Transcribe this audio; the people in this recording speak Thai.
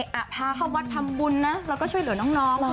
พาเข้าวัดทำบุญนะแล้วก็ช่วยเหลือน้อง